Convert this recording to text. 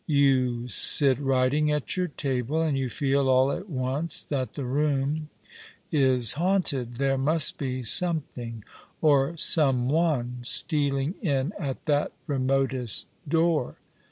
You sit writing at your table, and you feel all at once that the room is haunted — there must be something or some one stealing in at that remotest door.